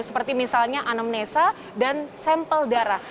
seperti misalnya anamnesa dan sampel darah